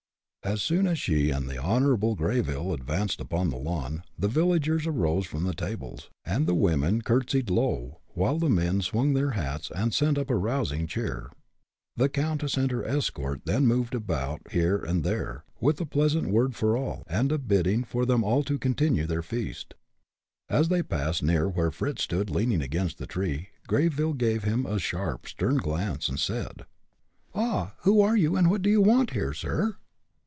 As soon as she and the Honorable Greyville advanced upon the lawn, the villagers arose from the tables, and the women courtesied low, while the men swung their hats and sent up a rousing cheer. The countess and her escort then moved about here and there, with a pleasant word for all, and a bidding for them to continue their feast. As they passed near where Fritz stood leaning against the tree, Greyville gave him a sharp, stern glance, and said: "Ah! who are you, and what do you want here, sir?"